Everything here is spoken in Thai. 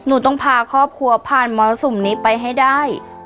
หนูต้องพาครอบครัวผ่านมรสุมนี้ไปให้ได้